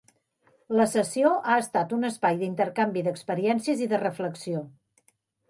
La sessió ha estat un espai d'intercanvi d'experiències i de reflexió.